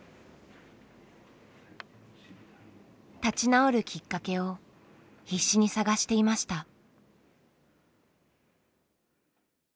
立ち直るきっかけを必死に探していました。